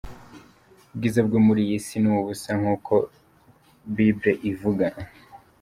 Ubwiza bwo muli iyi si, ni ubusa nkuko Bible ivuga.